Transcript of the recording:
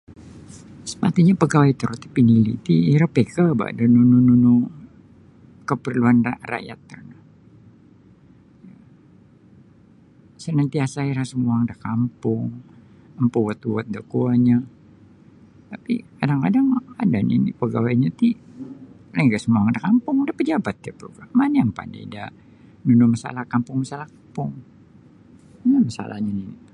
Sepatutnya pegawai toro ti penili ti iro pika da nunu nunu nu keperluan da rakyat rono Senantiasa iro sumuang da kampung memforward-forward da kuonyo tapi kadang- kadang ada nini pengawainyo ti lain ka sumuang da kampung, da pajabat iyo mana mapandai da urusan kampung masalah kampung ino ni masalahnyo ni